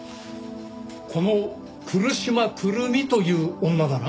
この来島くるみという女だな？